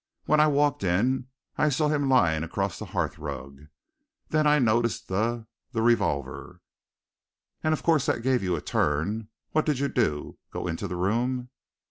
When I walked in I saw him lying across the hearth rug. Then I noticed the the revolver." "And of course that gave you a turn. What did you do? Go into the room?"